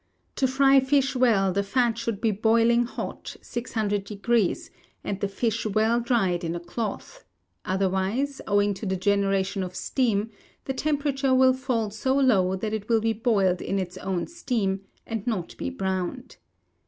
To fry fish well the fat should be boiling hot (600 degrees), and the fish well dried in a cloth; otherwise, owing to the generation of steam the temperature will fall so low that it will be boiled in its own steam, and not be browned.